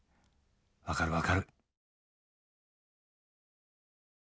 分かる分かる！